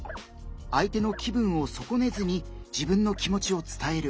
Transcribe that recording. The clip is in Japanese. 相手の気分を損ねずに自分の気持ちを伝える。